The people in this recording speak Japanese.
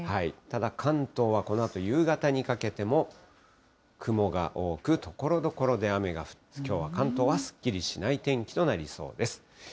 ただ関東はこのあと夕方にかけても雲が多く、ところどころで雨が降って、きょうは関東はすっきりしない天気となりそうです。